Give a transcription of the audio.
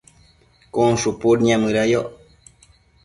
cun shupud niamëda yoc